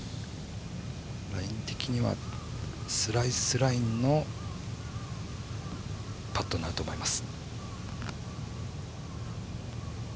ライン的にはスライスラインのパットになると思います。